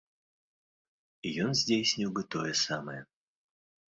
І ён здзейсніў бы тое самае.